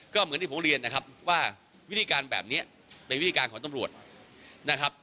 ก็เหมือนที่ผมเรียนนะครับว่าวิธีการแบบนี้เป็นวิธีการของตำรวจนะครับ